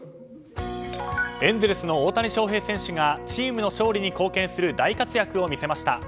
エンゼルスの大谷翔平選手がチームの勝利に貢献する大活躍を見せました。